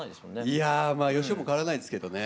いや芳雄も変わらないですけどね。